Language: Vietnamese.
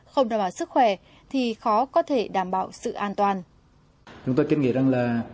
không đảm bảo sức khỏe thì khó có thể đảm bảo sự an toàn